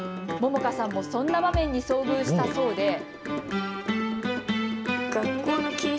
杏果さんもそんな場面に遭遇したそうで。